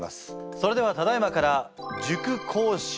それではただいまから塾講師